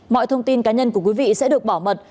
mọi thông tin cá nhân của quý vị sẽ được bảo mật